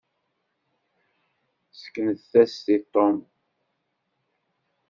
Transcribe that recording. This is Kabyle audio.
Seknet-as-t i Tom.